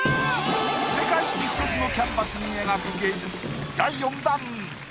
世界に１つのキャンバスに描く芸術第４弾。